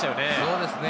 そうですね。